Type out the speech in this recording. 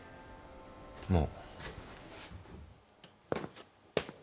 もう。